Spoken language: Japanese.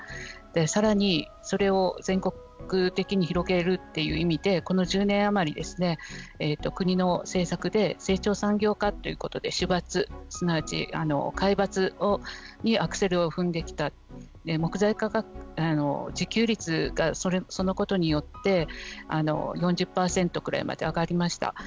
さらに、それを全国的に広げるという意味でこの１０年余り国の政策で成長産業化ということで主伐、すなわち皆伐にアクセルを踏んできた自給率が、そのことによって４０％くらいまで上がりました。